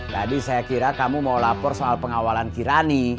tadi saya kira kamu mau lapor soal pengawalan kirani